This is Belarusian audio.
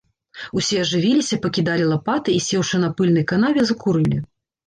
Усе ажывіліся, пакідалі лапаты і, сеўшы на пыльнай канаве, закурылі.